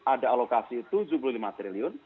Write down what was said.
ada alokasi tujuh puluh lima triliun